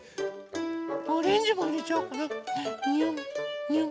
オレンジもいれちゃおうかな。によんにょん。